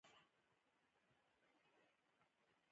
سړی یې له هرې خوا د خوږېدو ویلی شي.